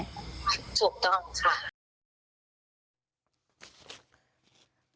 ถูกต้องค่ะ